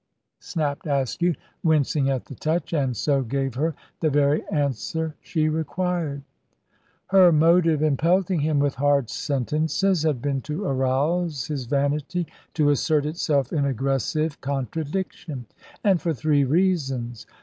snapped Askew, wincing at the touch, and so gave her the very answer she required. Her motive in pelting him with hard sentences had been to arouse his vanity to assert itself in aggressive contradiction; and for three reasons.